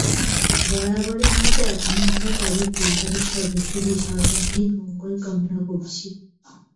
বরাবরের মতো এখনো আমরা তাঁদের পরিবারের সদস্যদের সর্বাঙ্গীণ মঙ্গল কামনা করছি।